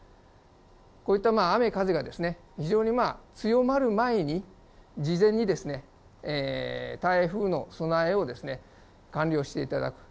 こういった雨、風が非常に強まる前に、事前に台風の備えを完了していただく。